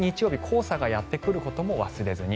黄砂がやってくることも忘れずに。